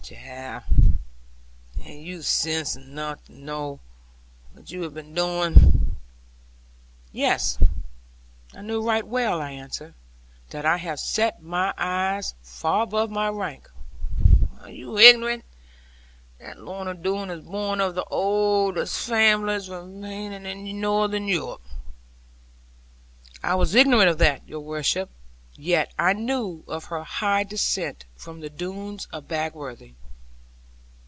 'Child, have you sense enough to know what you have been doing?' 'Yes, I knew right well,' I answered, 'that I have set mine eyes far above my rank.' 'Are you ignorant that Lorna Doone is born of the oldest families remaining in North Europe?' 'I was ignorant of that, your worship; yet I knew of her high descent from the Doones of Bagworthy.'